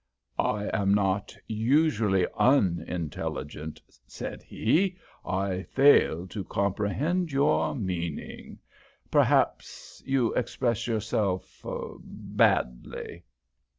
"I am not usually unintelligent," said he. "I fail to comprehend your meaning. Perhaps you express yourself badly."